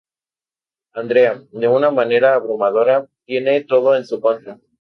Andrea, de una manera abrumadora, tiene todo en su contra.